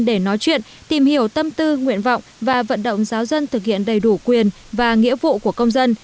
để nói chuyện tìm hiểu tâm tư nguyện vọng và vận động giáo dân thực hiện đầy đủ quyền và nghĩa vụ của công dân